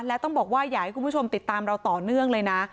และต้องบอกว่าอยากให้คุณผู้ชมติดตามเราต่อเนื่องเลยนะ